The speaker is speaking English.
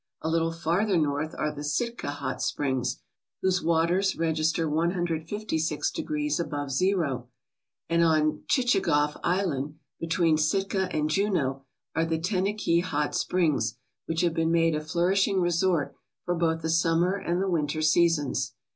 A little farther north are the Sitka Hot Springs, whose waters register 156 degrees above zero, and on Chichagof Island, between Sitka and Juneau, are the Tenakee Hot Springs which have been made a flourishing resort for both the summer and the winter seasons.